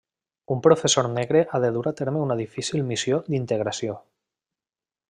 Un professor negre ha de dur a terme una difícil missió d'integració.